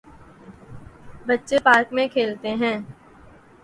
بچے پارک میں کھیلتے ہیں۔